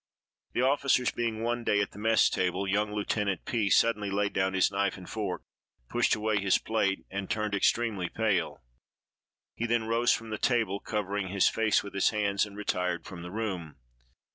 The officers being one day at the mess table, young Lieutenant P—— suddenly laid down his knife and fork, pushed away his plate, and turned extremely pale. He then rose from the table, covering his face with his hands, and retired from the room.